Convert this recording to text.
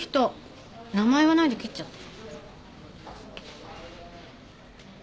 名前言わないで切っちゃった。